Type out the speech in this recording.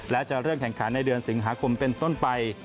และจะเริ่มแข่งขันในเดือนสิงหาคมเป็นต้นไป